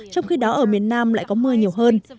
trong khi đó ở miền nam lại có mưa nhiều hơn